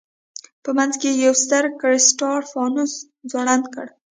په منځ کې یې یو ستر کرسټال فانوس ځوړند کړ.